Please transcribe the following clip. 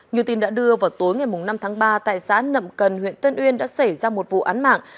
như tin đã đưa vào tối ngày năm tháng ba tại xã nậm cần huyện tân uyên đã xảy ra một vụ án mạng